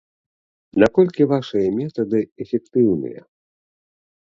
Наколькі вашыя метады эфектыўныя?